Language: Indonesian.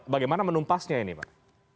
bagaimana menumpasnya ini pak